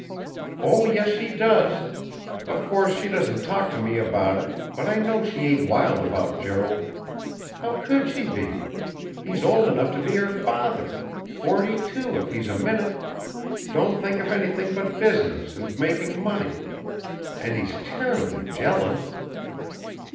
"Oh, yes, she does! Of course, she doesn't talk to me about it, but I know she ain't wild about Gerald. How could she be? He's old enough to be her father forty two, if he's a minute. Don't think of anything but business and making money. And he's terribly jealous!"